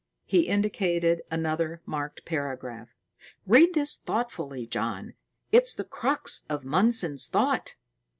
He indicated another marked paragraph. "Read this thoughtfully, John. It's the crux of Mundson's thought."